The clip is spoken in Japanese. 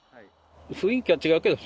雰囲気は違うけど。